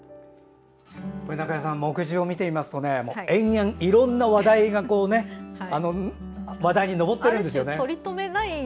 これ、目次を見てみますと延々、いろんな話題に上ってるんですよね。